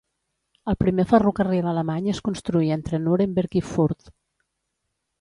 El primer ferrocarril alemany es construí entre Nuremberg i Fürth.